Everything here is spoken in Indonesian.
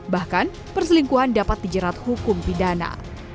bahkan perselingkuhan dapat dijerat hukum pidana